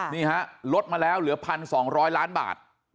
นี่ฮะลดมาแล้วเหลือ๑๒๐๐ล้านบาท